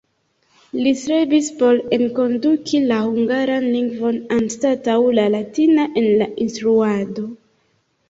Li strebis por enkonduki la hungaran lingvon anstataŭ la latina en la instruado.